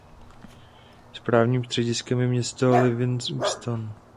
Správním střediskem je město Livingston.